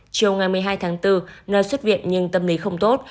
chiều hai mươi hai tháng bốn n xuất viện nhưng tâm lý không tốt